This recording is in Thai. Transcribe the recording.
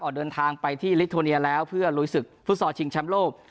ออกเดินทางไปที่แล้วเพื่อลุยศึกฟุตสอร์ชิงชัมโลก